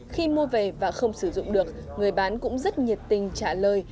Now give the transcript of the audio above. khi mua về và không sử dụng được người bán cũng rất nhiệt tình trả lời